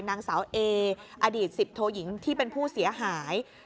นางสาวเออดีต๑๐โทยิงที่เป็นผู้เสียหาย